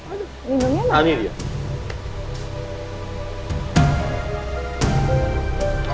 aduh ini dunia mah